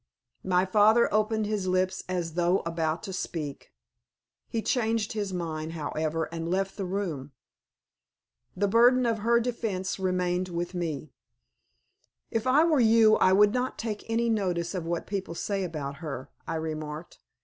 My father opened his lips as though about to speak. He changed his mind, however, and left the room. The burden of her defence remained with me. "If I were you I would not take any notice of what people say about her," I remarked.